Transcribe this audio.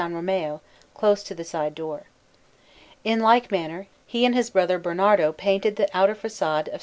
Romeo, close to the side door. In like manner, he and his brother Bernardo painted the outer façade of S.